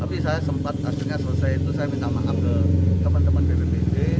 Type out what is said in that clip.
tapi saya sempat akhirnya selesai itu saya minta maaf ke teman teman bppd